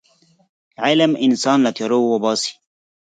علم انسان له تیارو وباسي.